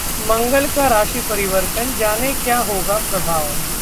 मंगल का राशि परिवर्तन, जानें क्या होगा प्रभाव